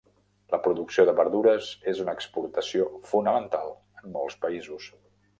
La producció de verdures és una exportació fonamental en molts països.